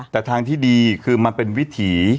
แต่ทางที่ดีคือมันเป็นวิถี